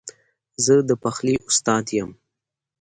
زه د پخلي استاد یم